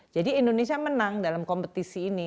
jadi indonesia menang dalam kompetisi ini